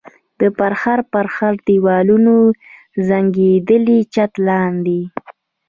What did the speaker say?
د پرهر پرهر دېوالونو زنګېدلي چت لاندې.